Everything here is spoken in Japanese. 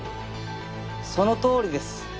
そのとおりです。